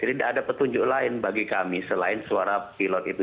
jadi tidak ada petunjuk lain bagi kami selain suara pilot itu